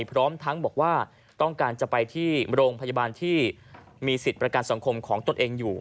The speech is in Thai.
พร้อมทั้งบอกว่าต้องการจะไปที่โรงพยาบาลที่มีสิทธิ์ประกันสังคมของตนเองอยู่